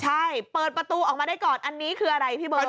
ใช่เปิดประตูออกมาได้ก่อนอันนี้คืออะไรพี่เบิร์